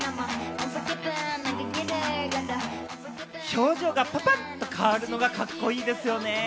表情がパパっと変わるのがカッコいいですよね。